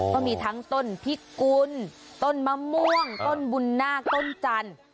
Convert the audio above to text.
ก็มีทั้งต้นพิกุลต้นมะม่วงต้นบุญนาคต้นจันทร์